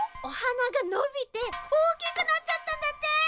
おはながのびておおきくなっちゃったんだって！